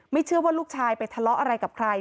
เชื่อว่าลูกชายไปทะเลาะอะไรกับใคร